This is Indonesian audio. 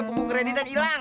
buku kredit dan hilang